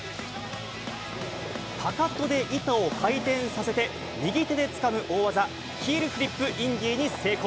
かかとで板を回転させて、右手でつかむ大技、ヒールフリップインディに成功。